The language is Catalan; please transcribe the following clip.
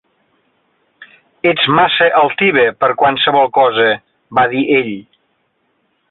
"Ets massa altiva per qualsevol cosa, va dir ell.